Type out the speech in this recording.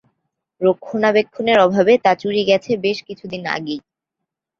রক্ষণাবেক্ষণের অভাবে তা চুরি গেছে বেশ কিছুদিন আগেই।